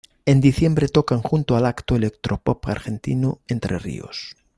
En diciembre tocan junto al acto electropop argentino Entre Ríos.